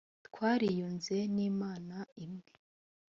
twariyunze n imana imwe